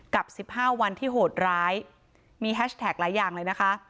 กับ๑๕วันที่โหดร้ายมีแฮชแท็กหลายอย่างเลยนะคะ